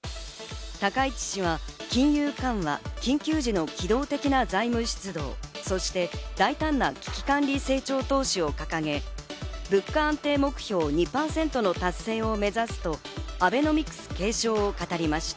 高市氏は金融緩和、緊急時の機動的な財政出動、そして大胆な危機管理成長投資を掲げ、物価安定目標２％の達成を目指すとアベノミクス継承を語りました。